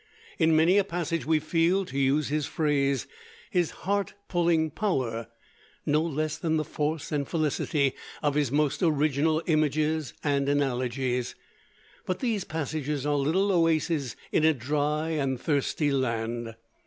In many a passage we feel, to use his phrase, his "heart pulling power," no less than the force and felicity of his most original images and analogies; but these passages are little oases in a dry and thirsty land.